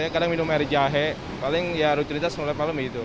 kadang minum air jahe paling ya rutinitas mulai malam gitu